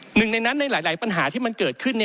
หนึ่งในนั้นในหลายปัญหาที่มันเกิดขึ้น